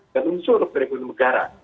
dan unsur perekonomian negara